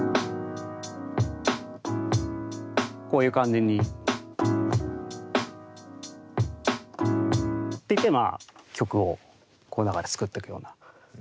こういう感じに。っていってまあ曲をこの中で作っていくような。